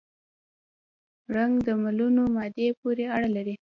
رنګ د ملونه مادې پورې اړه لري.